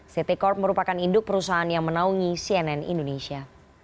ct corp merupakan induk perusahaan yang menaungi cnn indonesia